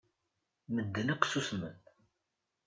Medden akk ssusmen.